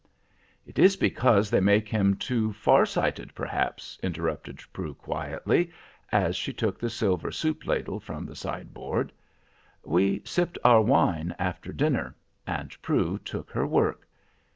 "It is because they make him too far sighted, perhaps," interrupted Prue quietly, as she took the silver soup ladle from the sideboard. We sipped our wine after dinner, and Prue took her work.